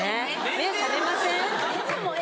目覚めません？